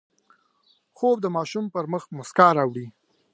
خوب د ماشوم پر مخ مسکا راوړي